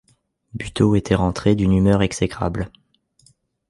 Buteau était rentré d’une humeur exécrable.